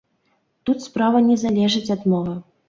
Тут справа не залежыць ад мовы.